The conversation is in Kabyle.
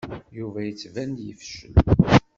Yuba yettban-d yefcel.